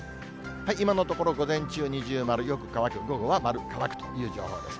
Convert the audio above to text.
今のところ午前中、二重丸、よく乾く、午後は丸、乾くという状況です。